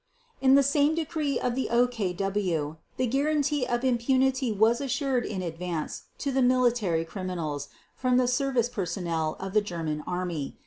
In the same decree of the OKW the guarantee of impunity was assured in advance to the military criminals from the service personnel of the German Army.